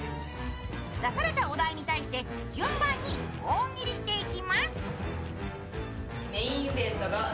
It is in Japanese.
出されたお題に対して順番に大喜利していきます。